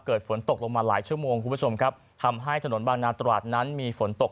ฝนตกลงมาหลายชั่วโมงคุณผู้ชมครับทำให้ถนนบางนาตราดนั้นมีฝนตก